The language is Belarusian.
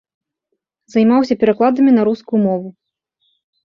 Займаўся перакладамі на рускую мову.